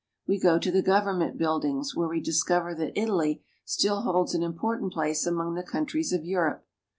. We go to the government buildings, where we discover that Italy still holds an important place among the countries of Europe.